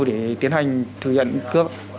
để tiến hành việc